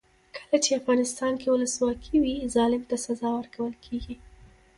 کله چې افغانستان کې ولسواکي وي ظالم ته سزا ورکول کیږي.